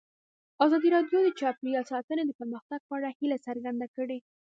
ازادي راډیو د چاپیریال ساتنه د پرمختګ په اړه هیله څرګنده کړې.